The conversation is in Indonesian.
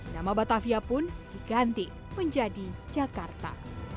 nama batavia pun diganti menjadi jakarta